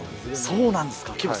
そうなんですか。